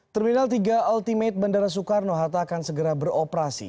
terminal tiga ultimate bandara soekarno hatta akan segera beroperasi